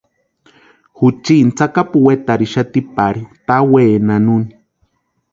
Juchiini tsakapu wetarhixati pari taani wenani úni.